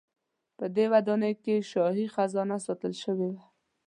په دې ودانۍ کې شاهي خزانه ساتل شوې وه.